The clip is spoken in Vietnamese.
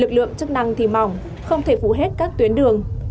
lực lượng chức năng thì mỏng không thể phủ hết các tuyến đường